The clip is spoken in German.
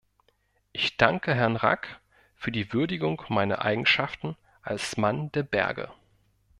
Ich danke Herrn Rack für die Würdigung meiner Eigenschaften als Mann der Berge.